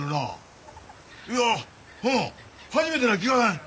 いやうん初めてな気がせん！